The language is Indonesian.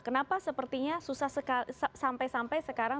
kenapa sepertinya susah sampai sampai sekarang